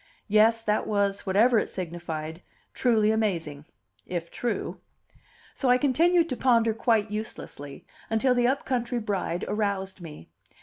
Yes, that was, whatever it signified, truly amazing if true. So I continued to ponder quite uselessly, until the up country bride aroused me.